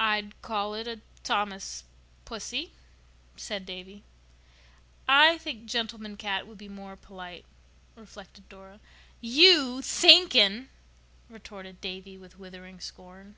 "I'd call it a Thomas pussy," said Davy. "I think 'gentleman cat' would be more polite," reflected Dora. "You thinking!" retorted Davy with withering scorn.